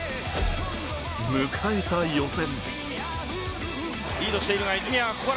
迎えた予選。